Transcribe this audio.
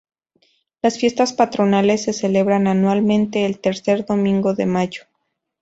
Las fiestas patronales se celebran anualmente el tercer domingo de mayo.